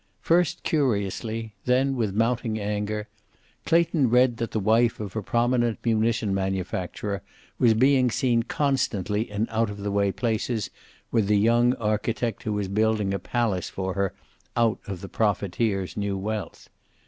First curiously, then with mounting anger, Clayton read that the wife of a prominent munition manufacturer was being seen constantly in out of the way places with the young architect who was building a palace for her out of the profiteer's new wealth.